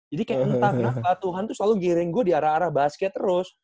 jadi kayak entah kenapa tuhan tuh selalu ngiring gue di arah arah basket terus